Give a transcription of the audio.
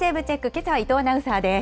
けさは伊藤アナウンサーです。